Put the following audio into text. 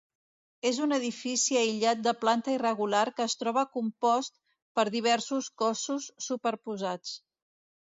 És un edifici aïllat de planta irregular que es troba compost per diversos cossos superposats.